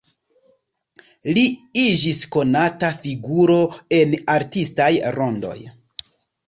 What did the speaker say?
Li iĝis konata figuro en artistaj rondoj.